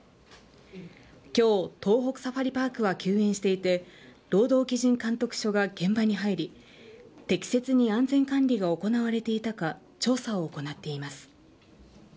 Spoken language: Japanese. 今日、東北サファリパークは休園していて労働基準監督署が現場に入り適切に安全管理が行われていたか調査を行っています。